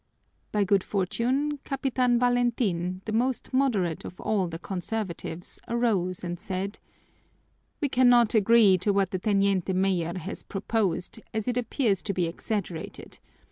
By good fortune, Capitan Valentin, the most moderate of all the conservatives, arose and said: "We cannot agree to what the teniente mayor has proposed, as it appears to be exaggerated.